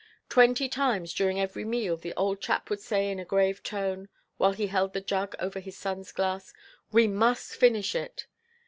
Twenty times during every meal, the old chap would say in a grave tone, while he held the jug over his son's glass: "We must finish it."